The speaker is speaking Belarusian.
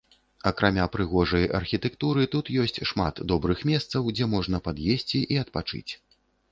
Акрамя прыгожай архітэктуры тут ёсць шмат добрых месцаў, дзе можна пад'есці і адпачыць.